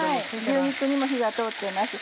牛肉にも火が通っています。